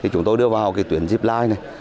chúng tôi đưa vào tuyến zip line